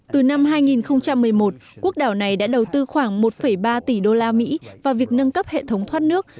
từ năm hai nghìn một mươi một quốc đảo này đã đầu tư khoảng một ba tỷ đô la mỹ vào việc nâng cấp hệ thống thoát nước